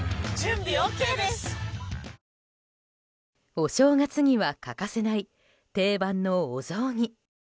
お正月には欠かせない定番のお雑煮。